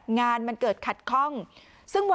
งานมันเกิดขัดข้อง